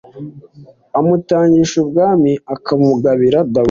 amutangisha ubwami akabugabira dawidi